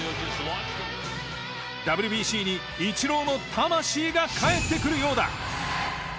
ＷＢＣにイチローの魂が帰ってくるようだ。